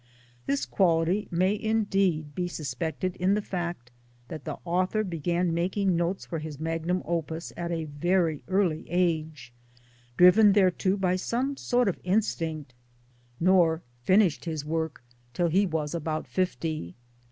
This quality may indeed be sus pected in the fact that the author began making notes for his magnum opus at a very early age, driven thereto by some sort of instinct, nor finished 224 MY DAYS AND DREAMS his work' till he was about fifty.